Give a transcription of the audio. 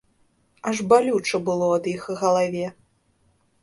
Аж балюча было ад іх галаве.